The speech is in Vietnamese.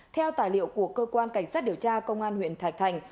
theo tài liệu của cơ quan cảnh sát điều tra công an huyện thạch thành